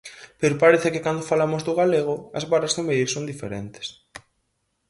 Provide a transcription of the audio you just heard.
Pero parece que, cando falamos do galego, as varas de medir son diferentes.